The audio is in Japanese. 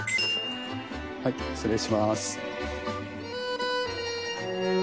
はい失礼します。